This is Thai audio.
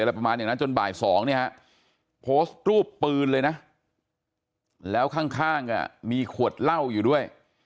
ประมาณอย่างนั้นจนบ่าย๒เนี่ยฮะโพสต์รูปปืนเลยนะแล้วข้างมีขวดเหล้าอยู่ด้วย